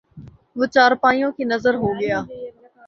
وہ چارپائیوں کی نذر ہو گیا